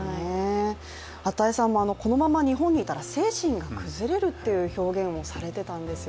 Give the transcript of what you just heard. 與さんもこのまま日本にいたら精神が崩れるという表現をされていたんですよ